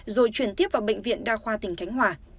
rồi chuyển tiếp vào bệnh viện đa khoa tỉnh khánh hòa